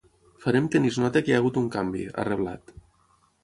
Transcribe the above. “Farem que ni es noti que hi ha hagut un canvi”, ha reblat.